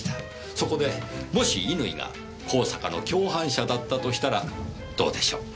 そこでもし乾が香坂の共犯者だったとしたらどうでしょう？